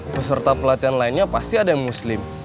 peserta pelatihan lainnya pasti ada yang muslim